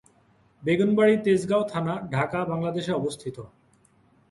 বেগুন বাড়ি তেজগাঁও থানা, ঢাকা, বাংলাদেশে অবস্থিত।